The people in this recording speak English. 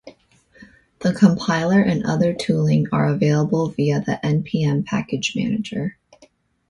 The compiler and other tooling are available via the npm package manager.